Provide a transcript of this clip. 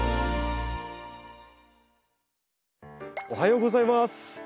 おはようございます。